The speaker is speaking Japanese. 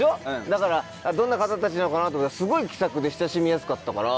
だからどんな方たちなのかなと。すごい気さくで親しみやすかったから。